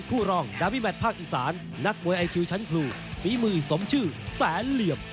รองดาวิแมทภาคอีสานนักมวยไอคิวชั้นครูฝีมือสมชื่อแสนเหลี่ยม